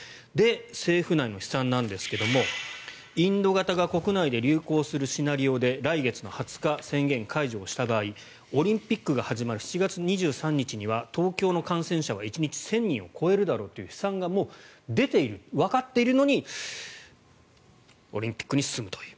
政府内の試算なんですけどもインド型が国内で流行するシナリオで来月２０日、宣言解除をした場合オリンピックが始まる７月２３日には東京の感染者は１日１０００人を超えるだろうという試算がもう、出ているわかっているのにオリンピックに進むという。